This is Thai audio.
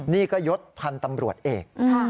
นี่ก็ยศพันธ์ตำรวจเอก